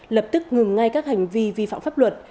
lập tức ngừng ngay các hành vi vi phạm pháp luật